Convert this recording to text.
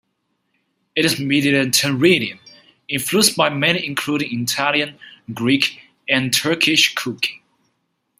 It is Mediterranean, influenced by many including Italian, Greek and Turkish cooking.